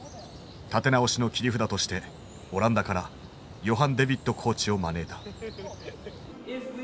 立て直しの切り札としてオランダからヨハン・デ・ヴィットコーチを招いた。